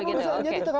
iya bukan urusan